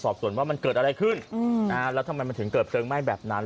สอบส่วนว่ามันเกิดอะไรขึ้นแล้วทำไมมันถึงเกิดเพลิงไหม้แบบนั้น